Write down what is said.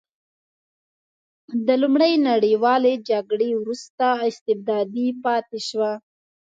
د لومړۍ نړیوالې جګړې وروسته استبدادي پاتې شوه.